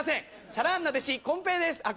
チャランな弟子こん平ですあっ